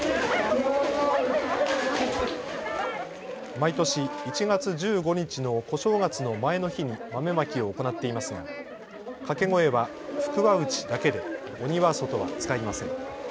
毎年、１月１５日の小正月の前の日に豆まきを行っていますが掛け声は福は内だけで鬼は外は使いません。